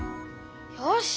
よし！